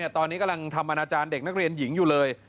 ตอนนี้กำลังทำอนาจารย์เด็กนักเรียนหญิงอยู่เลย